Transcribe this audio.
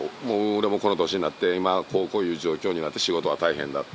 俺もこの年になって今こういう状況になって仕事は大変だ。